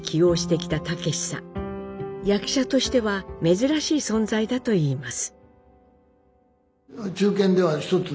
役者としては珍しい存在だと言います。